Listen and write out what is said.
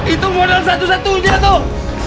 itu modal satu satunya tuh